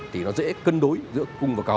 thì nó dễ cân đối giữa cung và cầu